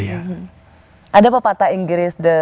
saya sangat menghargai teman yang baik gitu ya